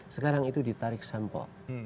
sekarang itu ditarik sampel